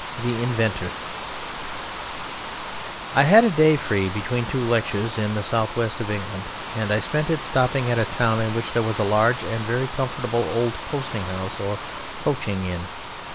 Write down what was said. The Inventor I had a day free between two lectures in the south west of England, and I spent it stopping at a town in which there was a large and very comfortable old posting house or coaching inn.